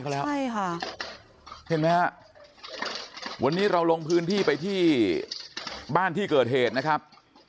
แล้วใช่ค่ะเห็นไหมฮะวันนี้เราลงพื้นที่ไปที่บ้านที่เกิดเหตุนะครับ